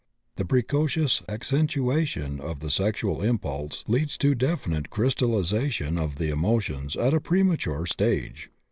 The precocious accentuation of the sexual impulse leads to definite crystallization of the emotions at a premature stage.